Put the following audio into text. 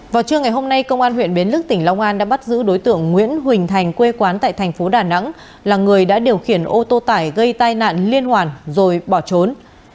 vào trưa ngày hôm nay công an huyện bến lức tỉnh long an đã bắt giữ đối tượng nguyễn huỳnh thành quê quán tại thành phố đà nẵng là người đã điều khiển ô tô tải gây tai nạn liên hoàn rồi bỏ trốn